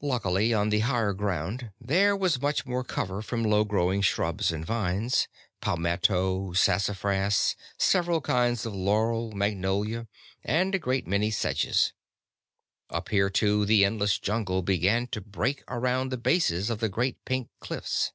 Luckily, on the higher ground there was much more cover from low growing shrubs and trees palmetto, sassafras, several kinds of laurel, magnolia, and a great many sedges. Up here, too, the endless jungle began to break around the bases of the great pink cliffs.